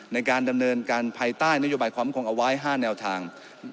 ในการดำเนินการภายใต้นโยบายความคงเอาไว้๕แนวทาง